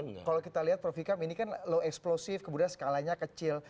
kalau kita lihat prof ikam ini kan low explosive kemudian skalanya kecil